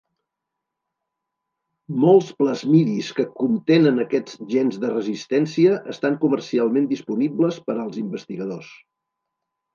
Molts plasmidis que contenen aquests gens de resistència estan comercialment disponibles per als investigadors.